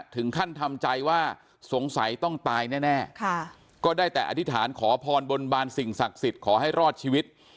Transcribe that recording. ถึงขั้นทำใจว่าสงสัยต้องตายแน่ก็ได้แต่อธิษฐานขอพรบนบานสิ่งศักดิ์สิทธิ์ขอให้รอดชีวิต